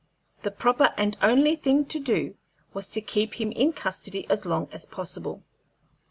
The proper and only thing to do was to keep him in custody as long as possible.